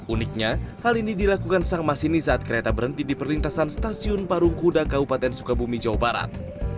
uniknya hal ini dilakukan sang masini saat kereta berhenti di perlintasan stasiun parung kuda kabupaten sukabumi jawa barat